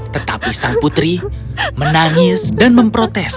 tetapi sang putri menangis dan memprotes